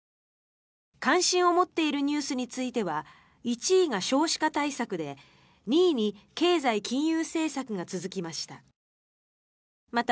関心を持っているニュースについては１位が少子化対策で２位に経済・金融政策が続きました。